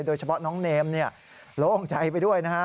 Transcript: โดยเฉพาะน้องเนมโล่งใจไปด้วยนะฮะ